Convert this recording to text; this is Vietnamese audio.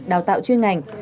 đào tạo chuyên ngành